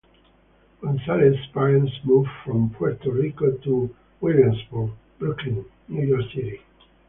Gonzalez's parents moved from Puerto Rico to Williamsburg, Brooklyn, New York City.